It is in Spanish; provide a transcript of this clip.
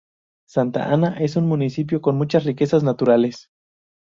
Santa Ana es un municipio con muchas riquezas naturales.